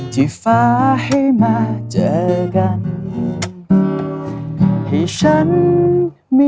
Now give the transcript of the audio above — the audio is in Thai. ที่ฟ้าให้มาเจอกันให้ฉันมี